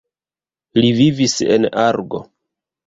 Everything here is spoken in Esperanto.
Li vivis en Argo.